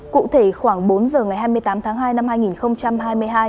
cụ thể khoảng bốn giờ ngày hai mươi tám tháng hai năm hai nghìn hai mươi hai